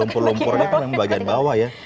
lompur lompurnya kan yang bagian bawah ya